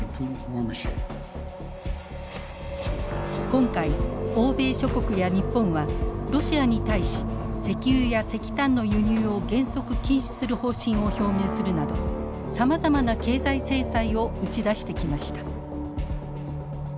今回欧米諸国や日本はロシアに対し石油や石炭の輸入を原則禁止する方針を表明するなどさまざまな経済制裁を打ち出してきました。